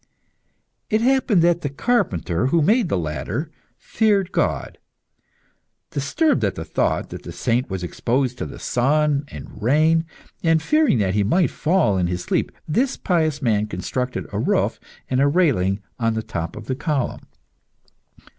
It happened that the carpenter who had made the ladder feared God. Disturbed at the thought that the saint was exposed to the sun and rain, and fearing that he might fall in his sleep, this pious man constructed a roof and a railing on the top of the column.